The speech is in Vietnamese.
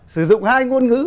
sử dụng hai ngôn ngữ